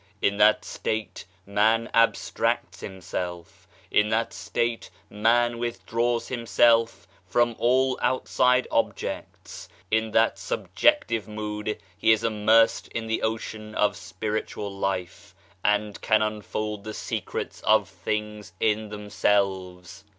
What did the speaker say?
In that state man abstracts himself : in that state man withdraws himself from all outside objects ; in that subjective mood he is immersed in the ocean of spiritual life and can unfold the secrets of things in themselves.